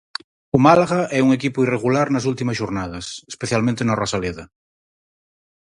O Málaga é un equipo irregular nas últimas xornadas, especialmente na Rosaleda.